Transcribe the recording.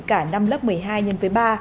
cả năm lớp một mươi hai nhân với ba